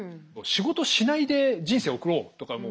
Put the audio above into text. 仕事しないで人生を送ろうとかも。